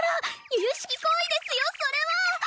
由々しき行為ですよそれは！